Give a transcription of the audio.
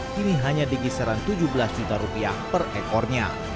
kini hanya di kisaran tujuh belas juta rupiah per ekornya